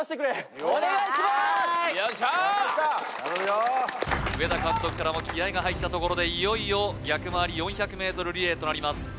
はーい上田監督からも気合いが入ったところでいよいよ逆回り４００ｍリレーとなります